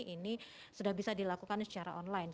ini sudah bisa dilakukan secara online